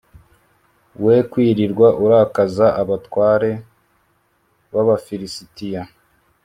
we kwirirwa urakaza abatware b’abafilisitiya”